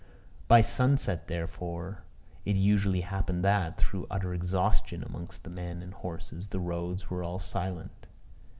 By sunset, therefore, it usually happened that, through utter exhaustion amongst men and horses, the roads were all silent.